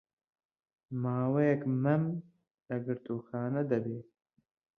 ماوەیەک مەم لە گرتووخانە دەبێ